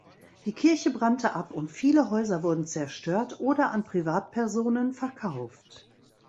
Die Kirche brannte ab und viele Häuser wurden zerstört oder an Privatpersonen verkauft.